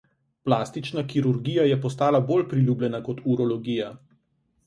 Plastična kirurgija je postala bolj priljubljena kot urologija.